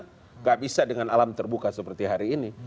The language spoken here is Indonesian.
tidak bisa dengan alam terbuka seperti hari ini